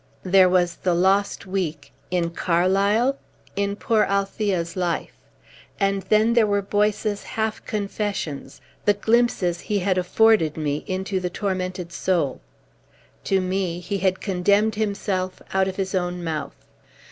There was the lost week in Carlisle? in poor Althea's life. And then there were Boyce's half confessions, the glimpses he had afforded me into the tormented soul. To me he had condemned himself out of his own mouth.